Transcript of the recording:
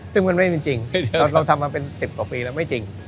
ซึ่งมันไม่จริงเราทำมาเป็น๑๐กว่าปีแล้วไม่จริง